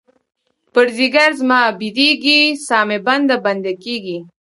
پر ځیګــر زما بیدیږې، سا مې بنده، بنده کیږې